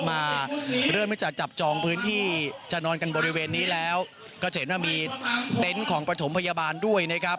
มาเริ่มที่จะจับจองพื้นที่จะนอนกันบริเวณนี้แล้วก็จะเห็นว่ามีเต็นต์ของประถมพยาบาลด้วยนะครับ